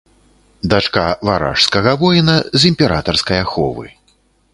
Дачка варажскага воіна з імператарскай аховы.